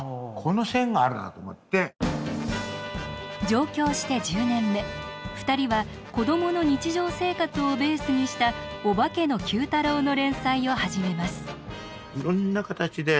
上京して１０年目２人は子どもの日常生活をベースにした「オバケのＱ太郎」の連載を始めます。